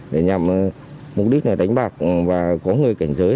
để nhằm mục đích là đánh bạc và có người cảnh giới